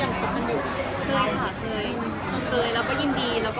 แต่ตอนนั้นก็จะหัวตามรึชาชนงบข้อหน้ายอีก